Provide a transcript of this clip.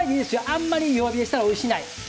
あまり弱火にしたらおいしない。